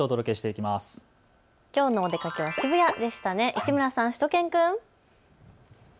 きょうのお出かけは渋谷でしたね、市村さん、しゅと犬くん。